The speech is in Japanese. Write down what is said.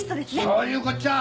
そういうこっちゃ！